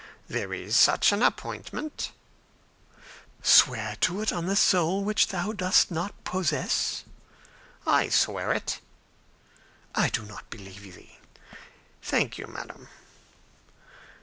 "There is such an appointment." "Swear it on the soul which thou dost not possess." "I swear it." "I do not believe thee." "Thank you, madam."